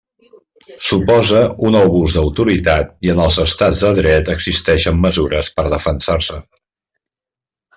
Suposa un abús d'autoritat, i en els estats de dret existeixen mesures per a defensar-se.